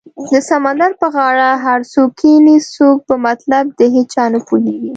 د سمندر په غاړه هر څوک کینې څوک په مطلب د هیچا نه پوهیږې